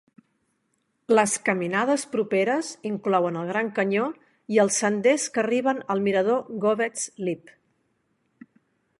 Les caminades properes inclouen el Gran Canyó i els senders que arriben al mirador Govetts Leap.